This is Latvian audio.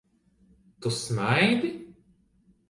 Tu smaidi?